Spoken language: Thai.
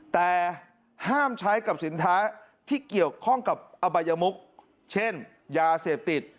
แต่ห้ามใช้กับสินค้าที่เกี่ยวข้องกับอบัยมุกเช่นยาเสพติด